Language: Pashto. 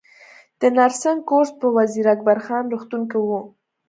د نرسنګ کورس په وزیر اکبر خان روغتون کې و